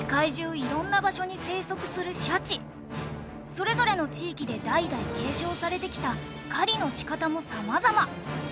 それぞれの地域で代々継承されてきた狩りの仕方も様々。